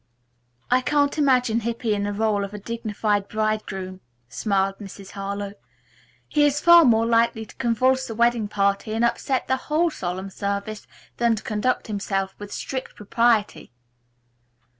"I can't imagine Hippy in the role of a dignified bridegroom," smiled Mrs. Harlowe. "He is far more likely to convulse the wedding party and upset the whole solemn service than to conduct himself with strict propriety."